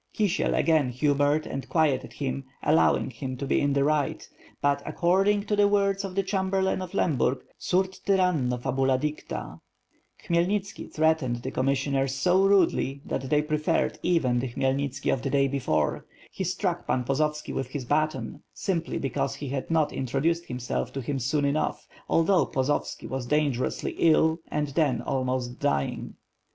Kisiel again humored and quieted him, allowing him to be in the right; but, according to the words of the Chamberlain of Lemburg, "surd tyranno fabula dicta." Khmyelnitski treated the commissioners so rudely that they preferred even the Khmyelnitski of the day before. He struck Pan Pozovski with his baton, simply because he had not introduced himself to him soon enough, although Pozovski was dangerously ill and then almost dying.